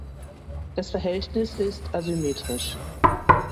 Das Verhältnis ist asymmetrisch.